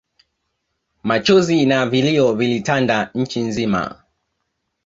Machozi na vilio vilitanda nchi mzima